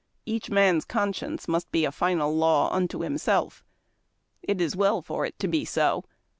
Each man's conscience must be a final law unto himself. It is well for it to be so.